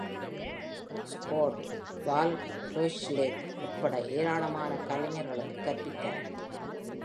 Scott, Paul Carslake உட்பட ஏராளமானக் கலைஞர்களுக்கு கற்பித்தார்.